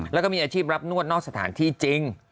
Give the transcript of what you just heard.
แล้วก็มีอาชีพรับนวดนอกสถานที่จริง